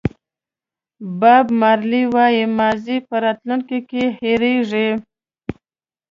باب مارلې وایي ماضي په راتلونکي کې هېرېږي.